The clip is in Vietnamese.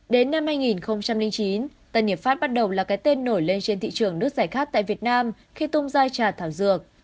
đến năm hai nghìn chín tân hiệp pháp bắt đầu là cái tên nổi lên trên thị trường nước giải khát tại việt nam khi tung ra trà thảo dược